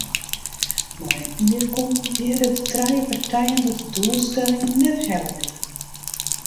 Nei in jier konkludearje de trije partijen dat de doelstellingen net helle binne.